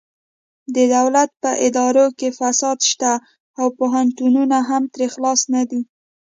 د دولت په ادارو کې فساد شته او پوهنتونونه هم ترې خلاص نه دي